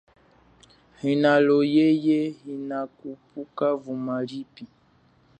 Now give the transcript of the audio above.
Ilato yeye inakhupuka vumba lipi.